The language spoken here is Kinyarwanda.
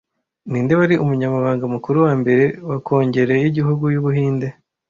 Ninde wari Umunyamabanga mukuru wa mbere wa Kongere y’igihugu cy’Ubuhinde